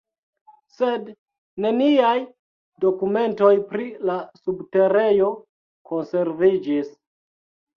Sed neniaj dokumentoj pri la subterejo konserviĝis.